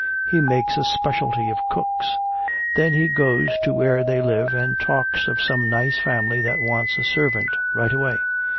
He makes a specialty of cooks. Then he goes to where they live and talks of some nice family that wants a servant right away.